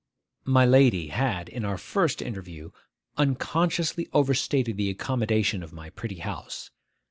My lady had, in our first interview, unconsciously overstated the accommodation of my pretty house.